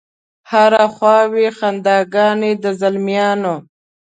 هره خوا وي خنداګانې د زلمیانو